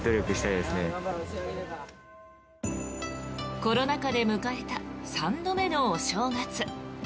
コロナ禍で迎えた３度目のお正月。